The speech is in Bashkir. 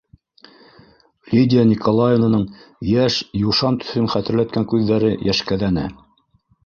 - Лидия Николаевнаның йәш юшан төҫөн хәтерләткән күҙҙәре йәшкәҙәне.